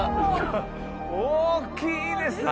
大きいですね。